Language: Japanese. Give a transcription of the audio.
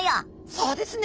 そうですね